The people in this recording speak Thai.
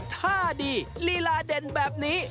ท่าดีลีลาเด่นแบบนี้